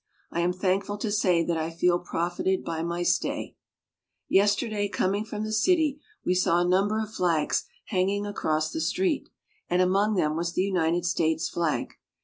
I am thank ful to say that I feel profited by my stay. Yesterday coming from the city we saw a number of flags hanging across the street, and among them was the United States flag.